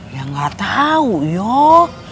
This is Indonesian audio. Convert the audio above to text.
ya enggak tahu yuk